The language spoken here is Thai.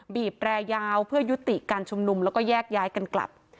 บีบแรยาวเพื่อยุติการชุมนุมแล้วก็แยกย้ายกันกลับ